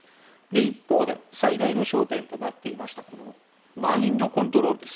一方で、最大の焦点となっていたマインドコントロールです。